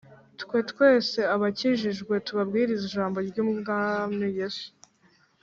twe, twese abakijijwe, tubabwirize ijambo ry'umwami yesu,